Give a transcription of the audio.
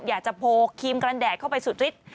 อยากจะโพลครีมกันแดดเข้าไปสุดฤทธิ์